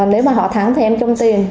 nếu mà họ thắng thì em chung tiền